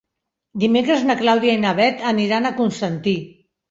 Dimecres na Clàudia i na Bet aniran a Constantí.